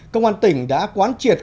công an tỉnh đã quán triệt